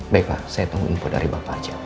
baik pak saya tunggu info dari bapak aja